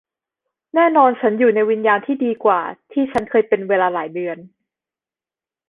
แน่นอนฉันอยู่ในวิญญาณที่ดีกว่าที่ฉันเคยเป็นเวลาหลายเดือน